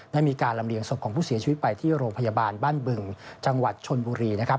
ได้มีการลำเลียงศพของผู้เสียชีวิตไปที่โรงพยาบาลบ้านบึงจังหวัดชนบุรีนะครับ